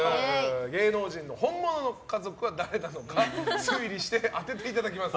芸能人の本物の家族は誰なのか推理して当てていただきます。